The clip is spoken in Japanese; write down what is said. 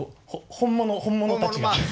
本物たちがね。